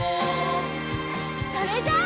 それじゃあ。